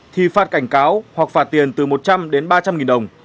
thì phạt cảnh cáo hoặc phạt tiền từ một trăm linh đến ba trăm linh nghìn đồng